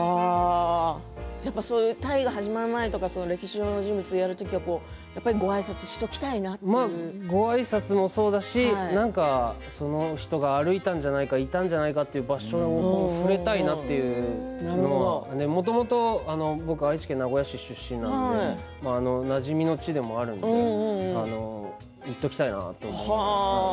大河ドラマが始まる前とか歴史上の人物をやる時はごあいさつもそうだしその人がいたんじゃないかという場所を触れたいなと思うのはもともと僕は愛知県名古屋市出身でなじみの地でもあるので行っておきたいなと思って。